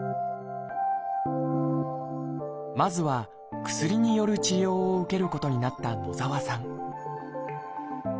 まずは薬による治療を受けることになった野澤さん